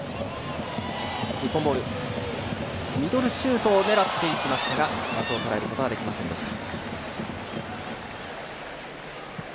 ミドルシュートを狙っていきましたが枠をとらえることはできませんでした。